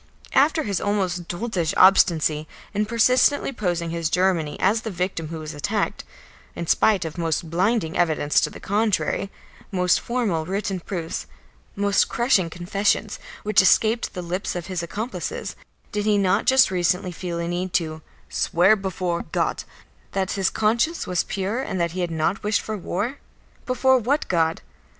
After his almost doltish obstinacy in persistently posing his Germany as the victim who was attacked, in spite of most blinding evidence to the contrary, most formal written proofs, most crushing confessions which escaped the lips of his accomplices, did he not just recently feel a need to "swear before God" that his conscience was pure and that he had not wished for war? Before what God?